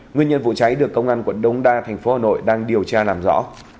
nguyên nhân vụ cháy được công an quận đông đa thành phố hà nội đang điều tra làm rõ